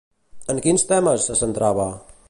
En quins temes se centrava?